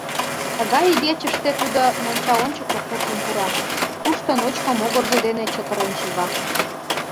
Тыгай игечыште тудо мончаончыко куржын пура, тушто ночко могыржо дене чытырен шога.